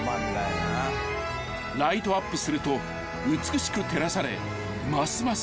［ライトアップすると美しく照らされますます